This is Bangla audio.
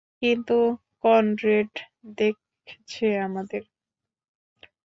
কিন্তু, কনরেড দেখছে আমাদের!